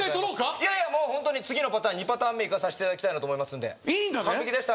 いやいやもう本当に次のパターン２パターン目いかさしていただきたいなと思いますんでいいんだね？